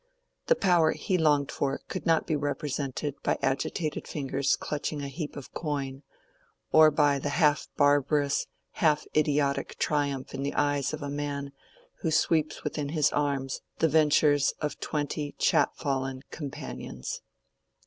The power he longed for could not be represented by agitated fingers clutching a heap of coin, or by the half barbarous, half idiotic triumph in the eyes of a man who sweeps within his arms the ventures of twenty chapfallen companions.